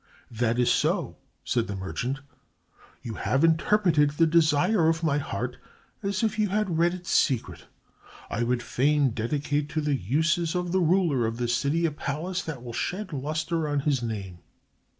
"That is so," said the merchant. "You have interpreted the desire of my heart as if you had read its secret. I would fain dedicate to the uses of the ruler of this city a palace that will shed luster on his name."